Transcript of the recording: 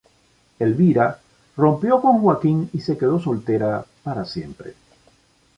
Elvira rompió con Joaquín y se quedó soltera para siempre.